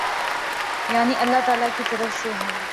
یعنی اﷲ تعالی کی طرف سے ہے۔